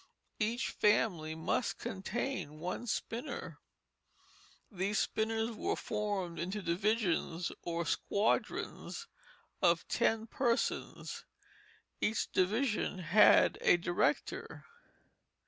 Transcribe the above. Each family must contain one spinner. These spinners were formed into divisions or "squadrons" of ten persons; each division had a director.